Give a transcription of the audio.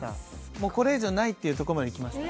もうこれ以上ないっていうとこまでいきました・